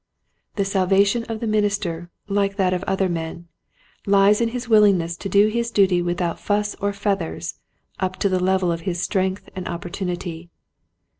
The salvation of the minister like that of other men lies in his willingness to do his duty without fuss or feathers up to the level of his strength and opportunity.